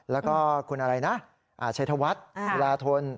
แล้วก็คุณอะไรนะชัยธวัฒน์จุลาทน